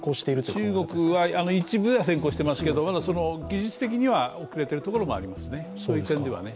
中国は一部では先行してますけど、技術的には遅れているところもありますね。